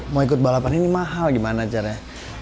mau ikut balapan ini mahal gimana caranya